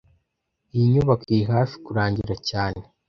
Iyi nyubako iri hafi kurangira cyane